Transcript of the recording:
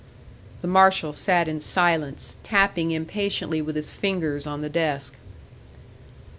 The marshal sat in silence, tapping impatiently with his fingers on the desk.